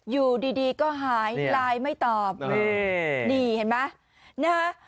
อยู่ดีดีก็หายไลน์ไม่ตอบนี่เห็นไหมนะฮะ